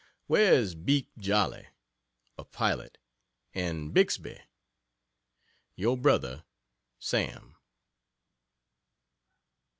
Where is Beack Jolly? [a pilot] and Bixby? Your Brother SAM.